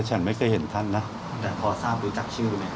แต่ฉันไม่เคยเห็นท่านนะแต่พอทราบรู้จักชื่อไหม